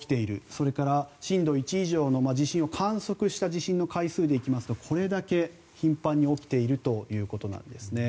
それから震度１以上の地震を観測した地震の回数でいきますとこれだけ頻繁に起きているということなんですね。